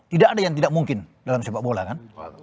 tidak ada yang tidak mungkin dalam sepak bola kan